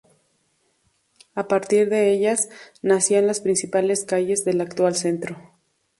A partir de ellas, nacían las principales calles del actual Centro.